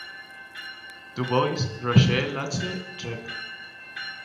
Dubois, Rochelle H., rev.